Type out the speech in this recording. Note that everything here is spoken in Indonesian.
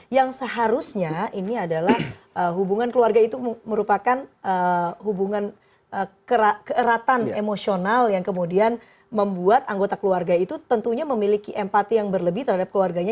yang seharusnya ini adalah hubungan keluarga itu merupakan hubungan keeratan emosional yang kemudian membuat anggota keluarga itu tentunya memiliki empati yang berlebih terhadap keluarganya